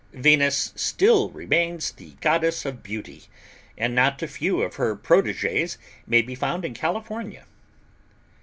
Venus still remains the Goddess of Beauty, and not a few of her protégés may be found in California.